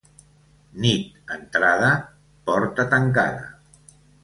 Nit entrada, porta tancada.